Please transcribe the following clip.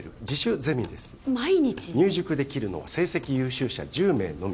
入塾できるのは成績優秀者１０名のみ。